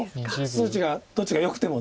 数値がどっちがよくても。